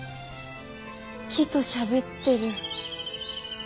木としゃべってる。